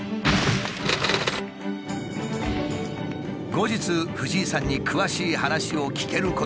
後日藤井さんに詳しい話を聞けることになった。